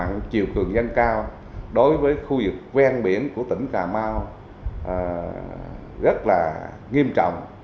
tình trạng chiều cường dân cao đối với khu vực ven biển của tỉnh cà mau rất nghiêm trọng